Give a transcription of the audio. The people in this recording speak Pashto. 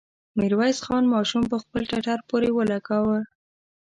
ميرويس خان ماشوم پر خپل ټټر پورې ولګاوه.